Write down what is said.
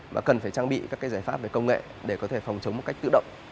và cần phải trang bị các giải pháp về công nghệ để có thể phòng chống một cách tự động